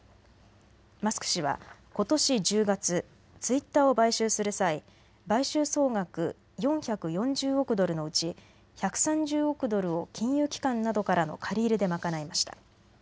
マスク氏はことし１０月、ツイッターを買収する際、買収総額４４０億ドルのうち１３０億ドルを金融機関などからの借り入れで賄いました。